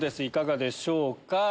いかがでしょうか？